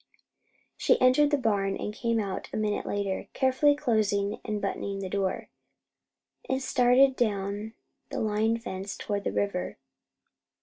She entered the barn, and came out a minute later, carefully closing and buttoning the door, and started down the line fence toward the river.